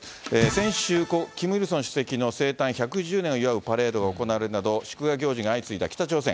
先週、故・キム・イルソン主席の生誕１１０年を祝うパレードが行われるなど、祝賀行事が相次いだ北朝鮮。